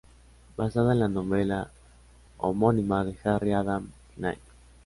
Basada en la novela homónima de Harry Adam Knight.